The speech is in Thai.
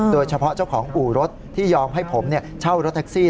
โดยเฉพาะเจ้าของอู่รถที่ยอมให้ผมเช่ารถแท็กซี่